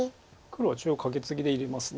黒は中央カケツギで入れます。